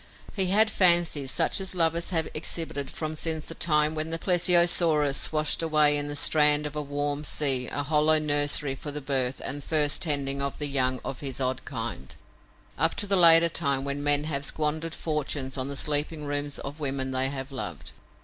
He had fancies such as lovers have exhibited from since the time when the plesiosaurus swashed away in the strand of a warm sea a hollow nursery for the birth and first tending of the young of his odd kind, up to the later time when men have squandered fortunes on the sleeping rooms of women they have loved.